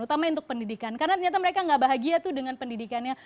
utama untuk pendidikan karena ternyata mereka nggak bahagia tuh dengan pendidikannya